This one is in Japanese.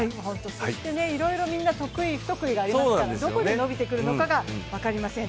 いろいろみんな得意、不得意がありますからどこで伸びてくるのかが分かりません。